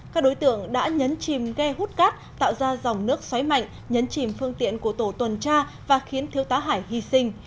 các đối tượng đã nhấn chìm ghe hút cát tạo ra dòng nước xoáy mạnh nhấn chìm phương tiện của tổ tuần tra và khiến thiếu tá hải hy sinh